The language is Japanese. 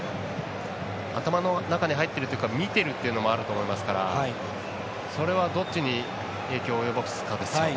頭の中に入ってるというか見ているというのもあると思いますからそれは、どっちに影響を及ぼすかですよね。